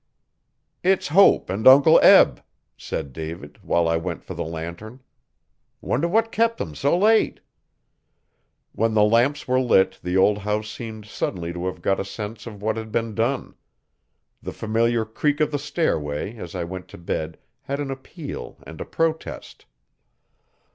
'It's Hope and Uncle Eb,' said David while I went for the lantern. 'Wonder what's kep' 'em s' late.' When the lamps were lit the old house seemed suddenly to have got a sense of what had been done. The familiar creak of the stairway as I went to bed had an appeal and a protest.